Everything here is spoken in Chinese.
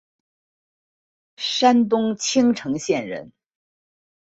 山东青城县人。